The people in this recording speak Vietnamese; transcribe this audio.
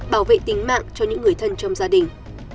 bảo vệ tính mạng cho những người thân trong gia đình